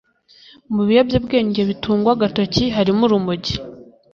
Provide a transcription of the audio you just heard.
Mu biyobyabwenge bitungwa agatoki harimo Urumogi